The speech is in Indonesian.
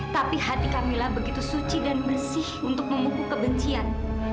tapi hati kamilah begitu suci dan bersih untuk memukuk kebencian